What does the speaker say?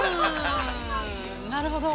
◆なるほど。